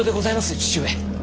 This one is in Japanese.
父上。